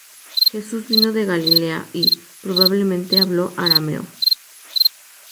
Jesús vino de Galilea y, probablemente, habló arameo.